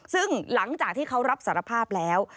ซึ่งหลังจากที่เขารับสารภาพแล้ว